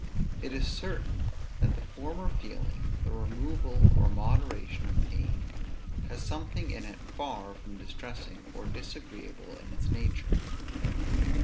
It is certain that the former feeling (the removal or moderation of pain) has something in it far from distressing, or disagreeable in its nature.